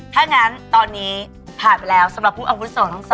ถ้างั้นตอนนี้ผ่านไปแล้วสำหรับผู้อาวุโสทั้ง๓